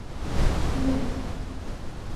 لږ